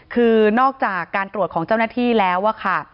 คือนอกจากการตรวจของเจ้าหน้าที่แล้วอะค่ะ